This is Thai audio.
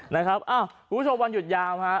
นะครับอ้าวคุณผู้ชมวันหยุดยาวฮะ